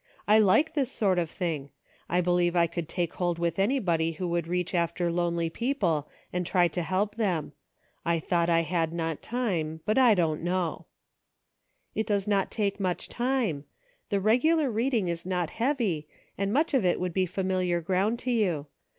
I like this sort of thing. I believe I could take hold with anybody who would reach after lonely people and try, to help them. I thought I had not time, but I don't know." " It does not take much time ; the regular read ing is not heavy, and much of it would be familiar ground to you.